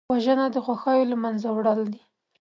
وژنه د خوښیو له منځه وړل دي